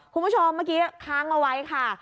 คุณผู้ชมเมื่อกี้ค้างเอาไว้ค่ะ